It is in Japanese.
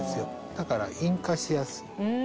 だから引火しやすい。